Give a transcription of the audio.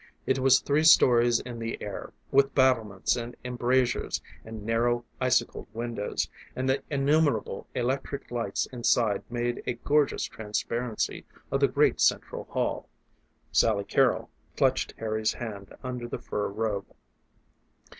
It was three stories in the air, with battlements and embrasures and narrow icicled windows, and the innumerable electric lights inside made a gorgeous transparency of the great central hall. Sally Carrol clutched Harry's hand under the fur robe.